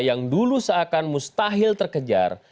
yang dulu seakan mustahil terkejar